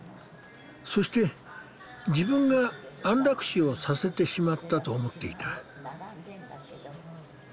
そして自分が安楽死をさせてしまったと思っていた。